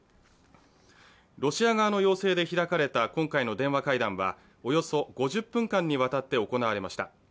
ロシア側の要請で開かれた今回の電話会談は、およそ５０分間にわたって行われました。